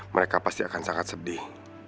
mereka pasti akan sangat sedih